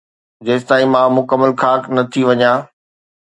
جيستائين مان مڪمل خاڪ نه ٿي وڃان